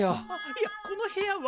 いやこの部屋は。